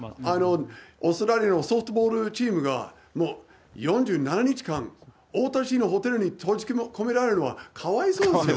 オーストラリアのソフトボールチームが４７日間、太田市のホテルに閉じ込められるのはかわいそうですよ。